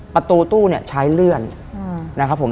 ประตูตู้เนี่ยใช้เลื่อนนะครับผม